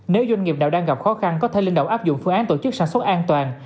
nếu doanh nghiệp nào đang gặp khó khăn có thể linh động áp dụng phương án tổ chức sản xuất an toàn